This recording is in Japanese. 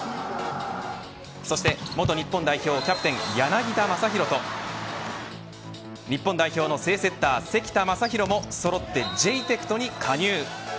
そして元日本代表キャプテン柳田将洋と日本代表の正セッター関田誠大もそろってジェイテクトに加入。